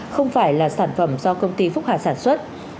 không phải là sản phẩm do công ty phúc hà sản xuất